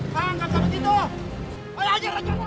pernah migrasi di jakarta